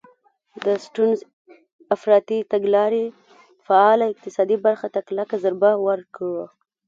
د سټیونز افراطي تګلارې فعاله اقتصادي برخه ته کلکه ضربه ورکړه.